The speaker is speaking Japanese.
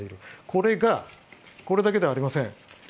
これがこれだけではありません。